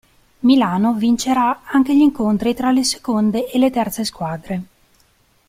Milano vincerà anche gli incontri tra le seconde e le terze squadre.